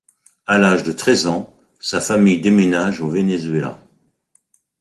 À l'âge de treize ans, sa famille déménage au Venezuela.